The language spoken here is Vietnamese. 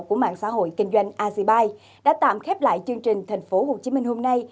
của mạng xã hội kinh doanh agibyte đã tạm khép lại chương trình thành phố hồ chí minh hôm nay